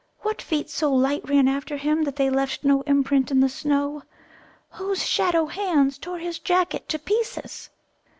What feet so light ran after him that they left no imprint in the snow? Whose shadow hands tore his jacket to pieces?"